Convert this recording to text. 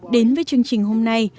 đến với chương trình hôm nay